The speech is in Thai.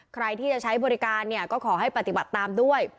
ใครที่จะใช้บริการเนี่ยก็ขอให้ปฏิบัติตามด้วย